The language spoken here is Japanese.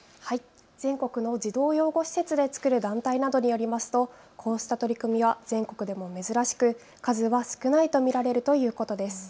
全国の児童養護施設で作る団体などによりますとこうした取り組みは全国でも珍しく数が少ないと見られるということです。